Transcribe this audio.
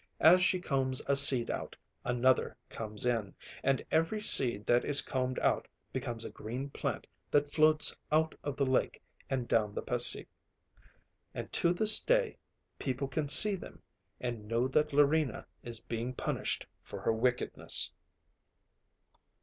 As she combs a seed out, another comes in, and every seed that is combed out becomes a green plant that floats out of the lake and down the Pasig. And to this day people can see them, and know that Larina is being punished for her wickedness.